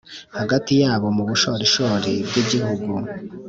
hagati yabo mu bushorishori bw' i gihugu.